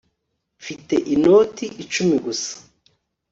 mfite inoti icumi gusa